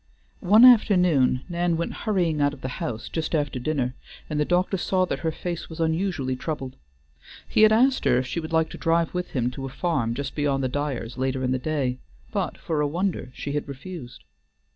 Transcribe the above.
One afternoon Nan went hurrying out of the house just after dinner, and the doctor saw that her face was unusually troubled. He had asked her if she would like to drive with him to a farm just beyond the Dyers' later in the day, but for a wonder she had refused.